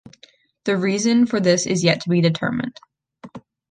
The reason for this is yet to be determined.